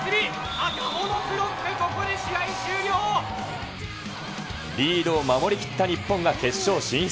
赤穂のブロック、リードを守り切った日本が決勝進出。